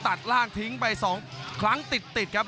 ตัดล่างทิ้งไป๒ครั้งติดครับ